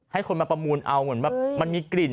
ให้คนมาประมูลเอาเหมือนแบบมันมีกลิ่น